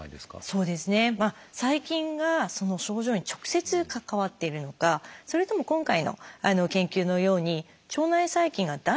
細菌がその症状に直接関わっているのかそれとも今回の研究のように腸内細菌が出す物質がですね